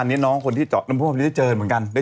อ๋อเดี๋ยว